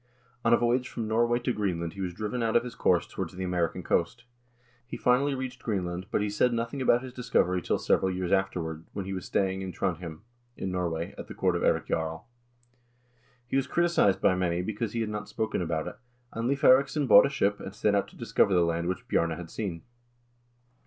On a voyage from Norway to Green land he was driven out of his course towards the American coast. He finally reached Greenland, but he said nothing about his discovery till several years afterward, when he was staying in Trondhjem, in Norway, at the court of Eirik Jarl. He was criticized by many be cause he had not spoken about it, and Leiv Eiriksson bought a ship, and set out to discover the land which Bjarne had seen.